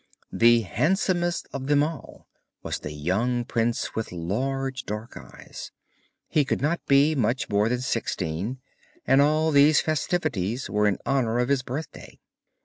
The handsomest of them all was the young prince with large dark eyes; he could not be much more than sixteen, and all these festivities were in honour of his birthday.